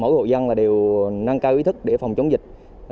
mỗi hộ dân đều nâng cao ý thức để phòng chống dịch